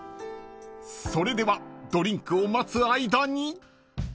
［それではドリンクを待つ間に］